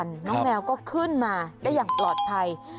น้องแมวก็ขึ้นมาได้อย่างปลอดภัย